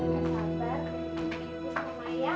senang banget buat ketemu ibu sama mai ya